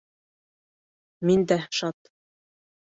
Мин дә шат!